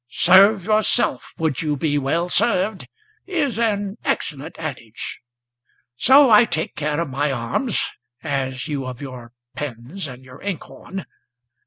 Serve yourself, would you be well served, is an excellent adage; So I take care of my arms, as you of your pens and your inkhorn.